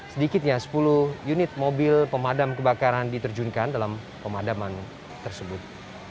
sedikitnya sepuluh unit mobil pemadam kebakaran diterjunkan dalam pemadaman tersebut